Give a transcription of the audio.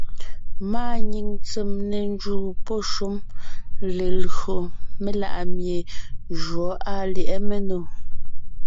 Máa nyìŋ tsèm ne njúu pɔ́ shúm léjÿo melaʼmie jǔɔ àa lyɛ̌ʼɛ ménò.